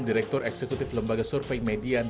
direktur eksekutif lembaga survei median